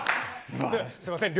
すみません